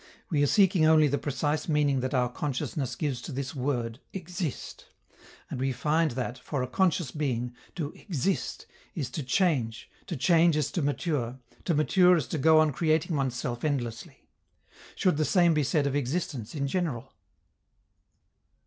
We are seeking only the precise meaning that our consciousness gives to this word "exist," and we find that, for a conscious being, to exist is to change, to change is to mature, to mature is to go on creating oneself endlessly. Should the same be said of existence in general?